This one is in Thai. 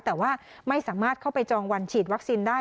แต่ว่าไม่สามารถเข้าไปจองวันฉีดวัคซีนได้